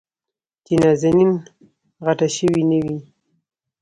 چې نازنين غټه شوې نه وي.